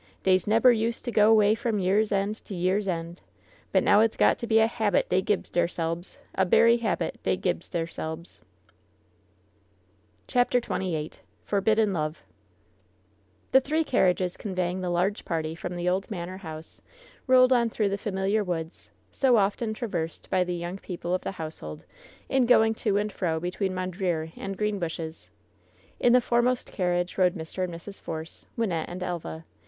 "Dey nebber use to go Vay from year's end to year's end 1 But now it's got to be a habit dey gibs deirselbes — a berry habit dey gibs deirselbes I" CHAPTER XXVIII FOBBIDDEN LOVB The three carriages conveying the large party from the old manor house rolled on through the familiar woods, so often traversed by the young people of the household in going to and fro between Mondreer and Greenbushes. In the foremost carriage rode Mr. and Mrs. Force, Wynnette and Elva.